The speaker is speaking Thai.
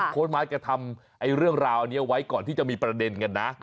โค้ดไม้แกทำเรื่องราวนี้ไว้ก่อนที่จะมีประเด็นกันนะ